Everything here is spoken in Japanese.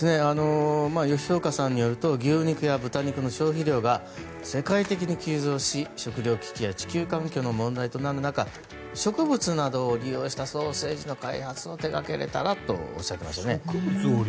吉岡さんによると牛肉や豚肉の消費量が世界的に急増し食糧危機や地球環境の問題となる中植物などを利用したソーセージの開発を手掛けれたらとおっしゃってました。